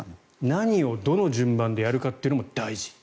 何をどの順番でやるかも大事。